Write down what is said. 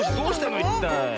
いったい。